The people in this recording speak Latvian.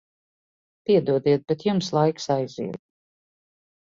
Piedodiet, bet jums laiks aiziet.